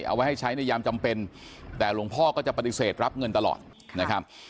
เอาไว้ให้ใช้ในยามจำเป็นแต่หลวงพ่อก็จะปฏิเสธรับเงินตลอดนะครับ